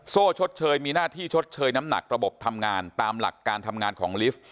โซ่ชดเชยมีหน้าที่ชดเชยน้ำหนักระบบทำงานตามหลักการทำงานของลิฟต์